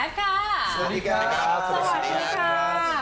สวัสดีค่ะ